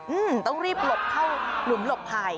อืมต้องรีบหลบเข้าหลุมหลบภัย